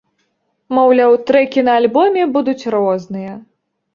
Маўляў, трэкі на альбоме будуць розныя.